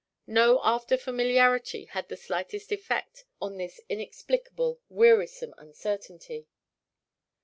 No after familiarity had the slightest effect on this inexplicable, wearisome uncertainty.